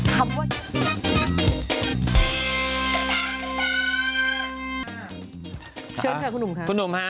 เชิญค่ะคุณหนุ่มค่ะคุณหนุ่มค่ะคุณหนุ่ม